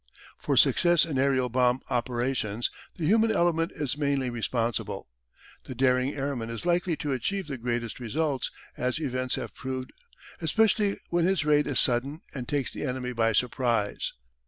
For success in aerial bomb operations the human element is mainly responsible. The daring airman is likely to achieve the greatest results, as events have proved, especially when his raid is sudden and takes the enemy by surprise.